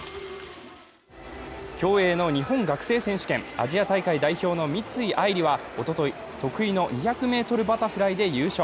競泳の日本学生選手権、アジア大会代表の三井愛梨はおととい、得意の２００ｍバタフライで優勝。